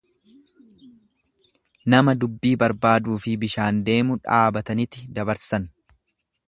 Nama dubbii barbaaduufi bishaan deemu dhaabataniti dabarsan.